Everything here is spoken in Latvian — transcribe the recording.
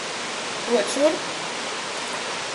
Dod šurp!